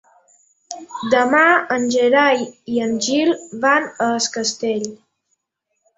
Demà en Gerai i en Gil van a Es Castell.